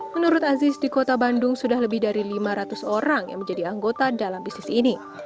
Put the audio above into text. menurut aziz di kota bandung sudah lebih dari lima ratus orang yang menjadi anggota dalam bisnis ini